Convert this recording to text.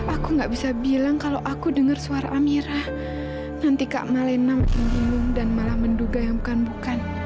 aku gak bisa bilang kalau aku dengar suara amirah nanti kak malena makin bingung dan malah menduga yang bukan bukan